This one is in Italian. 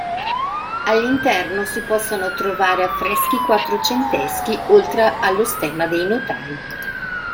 All'interno si possono trovare affreschi quattrocenteschi oltre allo stemma dei Notai.